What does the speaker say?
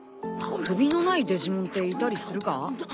首のないデジモンっていたりするか？